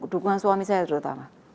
dukungan suami saya terutama